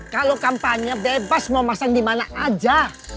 kalo kampanye bebas mau pasang di mana aja